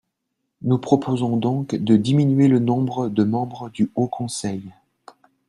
Nous proposons donc de diminuer le nombre de membres du Haut conseil.